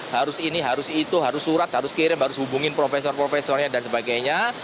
harus ini harus itu harus surat harus kirim harus hubungin profesor profesornya dan sebagainya